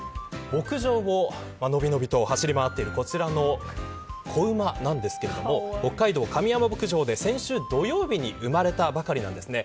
牧場をのびのびと走り回っているこちらの子馬なんですが北海道、上山牧場で先週土曜日に生まれたばかりなんです。